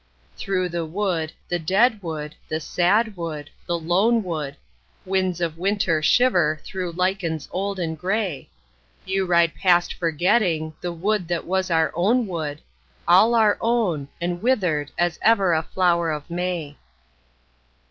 Through the wood, the dead wood, the sad wood, the lone wood, Winds of winter shiver through lichens old and grey, You ride past forgetting the wood that was our own wood, All our own and withered as ever a flower of May.